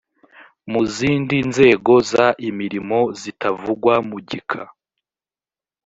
mu zindi nzego z imirimo zitavugwa mu gika